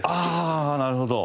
ああなるほど。